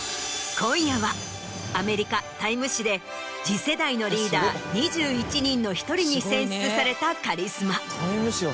今夜はアメリカ『ＴＩＭＥ』誌で次世代のリーダー２１人の１人に選出されたカリスマ。